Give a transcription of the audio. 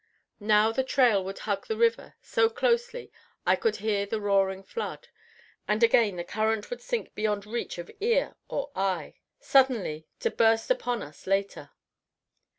Now the trail would hug the river so closely I could hear the roaring flood, and again the current would sink beyond reach of ear or eye, suddenly to burst upon us later.